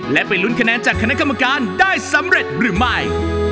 และไปลุ้นคะแนนจากคณะกรรมการได้สำเร็จหรือไม่